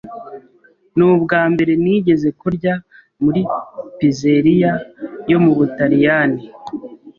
Nubwambere nigeze kurya muri pizzeria yo mubutaliyani.